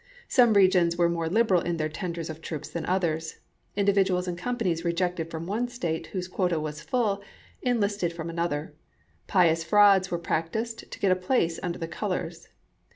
Some regions were more liberal in their tenders of troops than others ; in dividuals and companies rejected from one State whose quota was full, enlisted from another ; pious frauds were practiced to get a place under the colors.